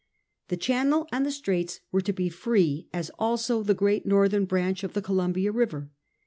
The channel and straits were to be free, as also the great northern branch of the Columbia River.